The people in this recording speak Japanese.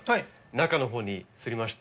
中のほうに移りまして。